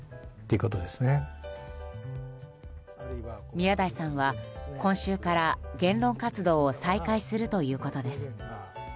宮台さんは今週から言論活動を再開するということです。